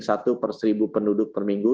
satu per seribu penduduk per minggu